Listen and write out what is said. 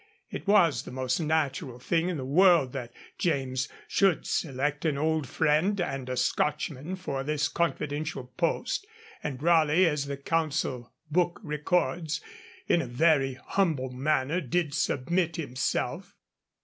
It was the most natural thing in the world that James should select an old friend and a Scotchman for this confidential post, and Raleigh, as the Council Book records, 'in a very humble manner did submit himself.'